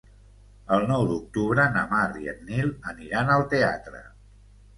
El nou d'octubre na Mar i en Nil aniran al teatre.